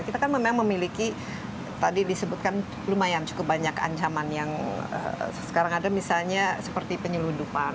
kita kan memang memiliki tadi disebutkan lumayan cukup banyak ancaman yang sekarang ada misalnya seperti penyelundupan